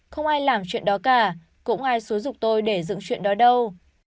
không ai làm chuyện đó cả cũng ai xúi dục tôi để dựng chuyện đó đâu